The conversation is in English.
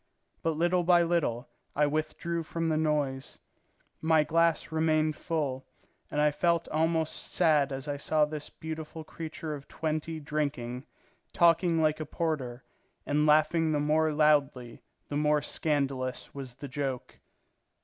But little by little I withdrew from the noise; my glass remained full, and I felt almost sad as I saw this beautiful creature of twenty drinking, talking like a porter, and laughing the more loudly the more scandalous was the joke.